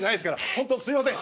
本当すいません。